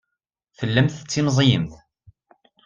Tellamt tettimẓiyemt.